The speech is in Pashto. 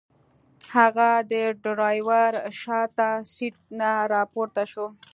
هغه د ډرایور شاته سیټ نه راپورته شو.